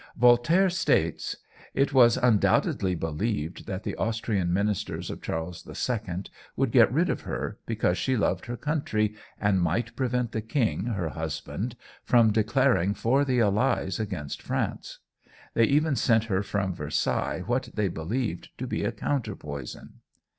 Voltaire states: "It was undoubtedly believed that the Austrian Ministers of Charles II would get rid of her, because she loved her country and might prevent the king, her husband, from declaring for the allies against France; they even sent her from Versailles what they believed to be a counter poison."